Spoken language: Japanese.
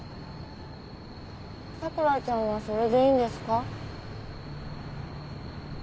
桜ちゃんはそれでいいんですか？